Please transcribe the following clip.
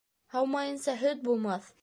Һаумайынса һөт булмаҫ